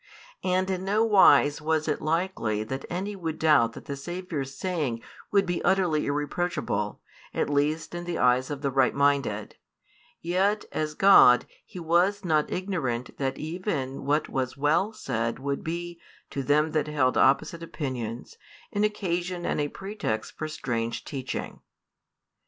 And in no wise was it likely that any would doubt that the Saviour's saying would be utterly irreproachable, at least in the eyes of the right minded; yet, as God, He was not ignorant that even what was well said would be, to them that held opposite opinions, an occasion and a pretext for strange teaching.